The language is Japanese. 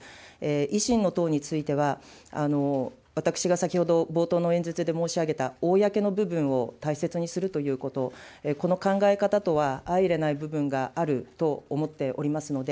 維新の党については、私が先ほど冒頭の演説で申し上げた、公の部分を大切にするということ、この考え方とは相いれない部分があると思っておりますので、